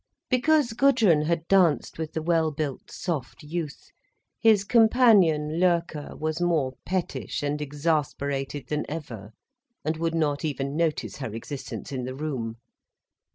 Because Gudrun had danced with the well built, soft youth, his companion, Loerke, was more pettish and exasperated than ever, and would not even notice her existence in the room.